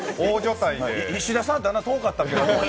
石田さんってあんな遠かったっけ？